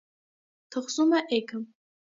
Թխսում է էգը։